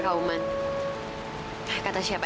tidak ada apa apa